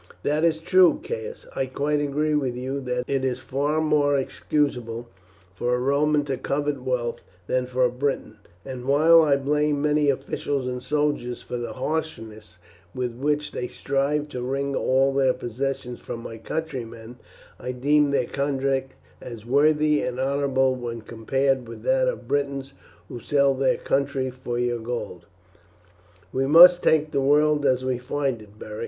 "That is true, Caius. I quite agree with you that it is far more excusable for a Roman to covet wealth than for a Briton; and while I blame many officials and soldiers for the harshness with which they strive to wring all their possessions from my countrymen, I deem their conduct as worthy and honourable when compared with that of Britons who sell their country for your gold." "We must take the world as we find it, Beric.